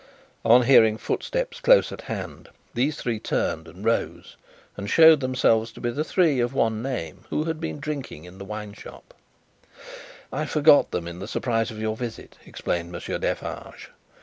On hearing footsteps close at hand, these three turned, and rose, and showed themselves to be the three of one name who had been drinking in the wine shop. "I forgot them in the surprise of your visit," explained Monsieur Defarge.